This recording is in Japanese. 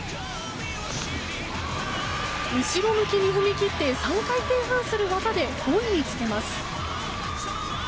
後ろ向きに踏み切って３回転半する技で５位につけます。